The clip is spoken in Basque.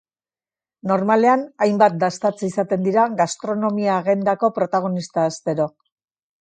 Normalean, hainbat dastatze izaten dira gastronomia-agendako protagonista astero.